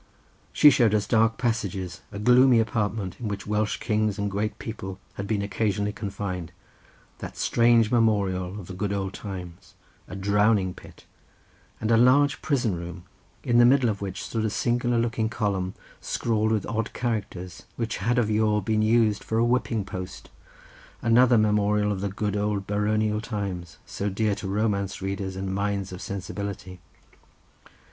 She showed us dark passages, a gloomy apartment in which Welsh kings and great people had been occasionally confined, that strange memorial of the good old times, a drowning pit, and a large prison room, in the middle of which stood a singular looking column, scrawled with odd characters, which had of yore been used for a whipping post, another memorial of the good old baronial times, so dear to romance readers and minds of sensibility.